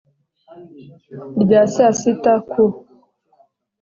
rya sa sita ku